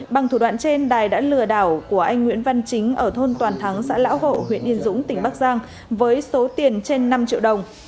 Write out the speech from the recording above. bằng thủ đoạn trên đài đã lừa đảo của anh nguyễn văn chính ở thôn toàn thắng xã lão hộ huyện yên dũng tỉnh bắc giang với số tiền trên năm triệu đồng